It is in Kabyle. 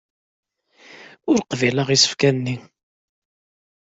Ur qbileɣ isefka-nni.